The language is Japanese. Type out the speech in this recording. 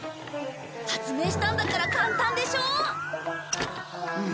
発明したんだから簡単でしょ？